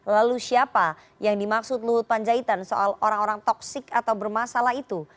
lalu siapa yang dimaksud luhut panjaitan soal orang orang toksik atau bermasalah itu